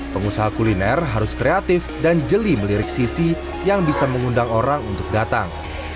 pengusaha kuliner harus kreatif dan jeli melirik sisi yang bisa mengundang orang untuk datang